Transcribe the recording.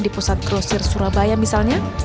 di pusat grosir surabaya misalnya